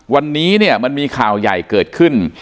วันนี้เนี่ยมันมีข่าวใหญ่เกิดขึ้น